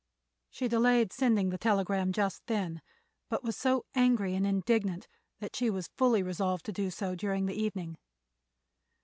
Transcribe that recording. She delayed sending the telegram just then, but was so angry and indignant that she was fully resolved to do so during the evening.